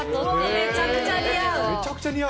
めちゃめちゃ似合う。